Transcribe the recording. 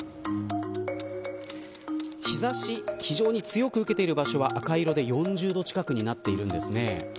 日差し、非常に強く受けている場所は赤色で４０度近くになっているんです。